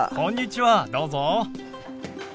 どうぞ。